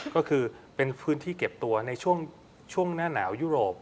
ก็คือเป็นพื้นที่เก็บตัวในช่วงหน้าหนาวยุโรป